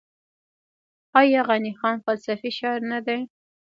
آیا غني خان فلسفي شاعر نه دی؟